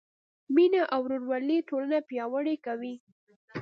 مینه او ورورولي ټولنه پیاوړې کوي.